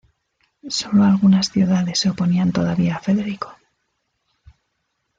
Sólo algunas ciudades se oponían todavía a Federico.